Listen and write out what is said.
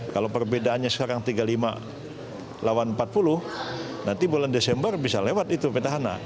kalau perbedaannya sekarang tiga puluh lima lawan empat puluh nanti bulan desember bisa lewat itu petahana